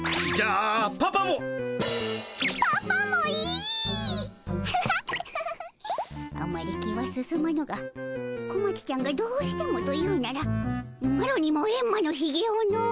あまり気は進まぬが小町ちゃんがどうしてもというならマロにもエンマのひげをの。